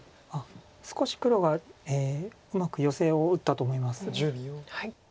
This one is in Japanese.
少し黒がうまくヨセを打ったと思います。